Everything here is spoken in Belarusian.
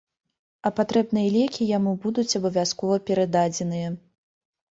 А патрэбныя лекі яму будуць абавязкова перададзеныя.